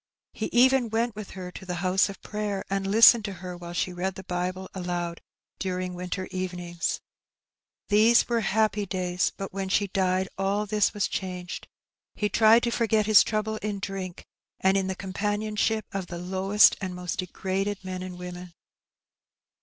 He even went with her to the house of prayer, and listened to her while she read the Bible aloud during winter evenings. These were happy days, but when she died all this was changed; he tried to forget his trouble in drink, and in the companionship of the lowest and most degraded men and women.